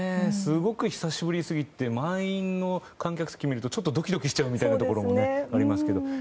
すごく久しぶりすぎて満員の観客席を見るとちょっとドキドキしちゃうみたいなところもありますけど。